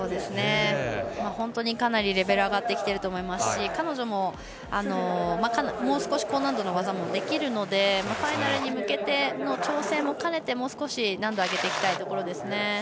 かなりレベル上がってきてると思いますし彼女も、もう少し高難度の技もできるのでファイナルに向けての調整も兼ねてもう少し難度上げていきたいところです。